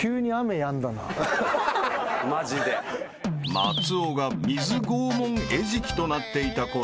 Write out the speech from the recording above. ［松尾が水拷問餌食となっていたころ］